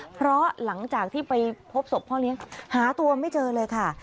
เพราะหลังจากที่ไปพบศพพ่อเลี้ยงหาตัวไม่เจอเลยค่ะ